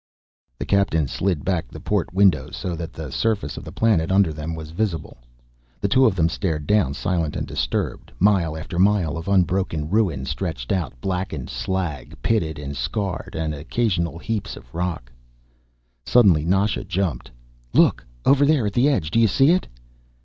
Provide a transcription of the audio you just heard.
The Captain slid back the port window so that the surface of the planet under them was visible. The two of them stared down, silent and disturbed. Mile after mile of unbroken ruin stretched out, blackened slag, pitted and scarred, and occasional heaps of rock. Suddenly Nasha jumped. "Look! Over there, at the edge. Do you see it?"